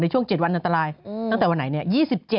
ช่วง๗วันอันตรายตั้งแต่วันไหนเนี่ย